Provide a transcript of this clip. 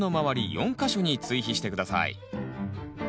４か所に追肥して下さい。